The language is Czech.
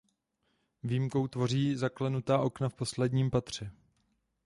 Výjimku tvoří zaklenutá okna v posledním patře.